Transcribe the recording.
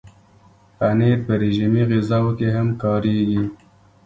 پنېر په رژیمي غذاوو کې هم کارېږي.